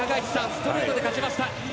ストレートで勝ちました。